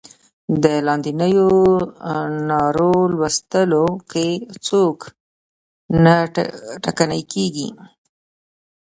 په لاندنیو نارو لوستلو کې څوک نه ټکنی کیږي.